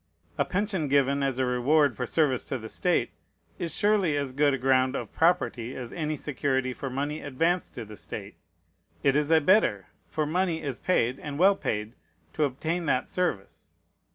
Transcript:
A pension, given as a reward for service to the state, is surely as good a ground of property as any security for money advanced to the state. It is a better; for money is paid, and well paid, to obtain that service.